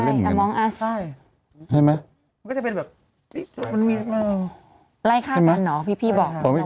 ไล่ภาพกันหรอพี่บอก